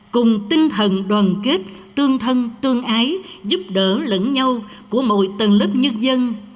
cùng tinh thần đoàn kết tương thân tương ái giúp đỡ lẫn nhau của mọi tầng lớp nhân dân